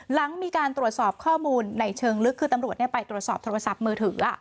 หลังมีการตรวจสอบข้อมูลในเชิงลึกคือตำรวจไปตรวจสอบโทรศัพท์มือถือ